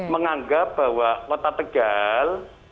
menganggap bahwa kota tegal